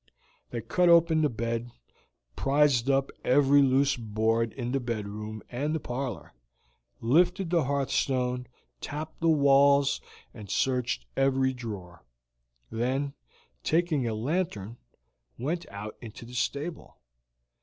They cut open the bed, prized up every loose board in the bedroom and the parlor, lifted the hearth stone, tapped the walls, and searched every drawer; then, taking a lantern, went out into the stable.